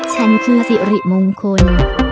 ฉันคือสี่รี่มงคน